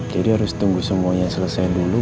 jadi harus tunggu semuanya selesai dulu